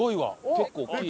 結構大きい。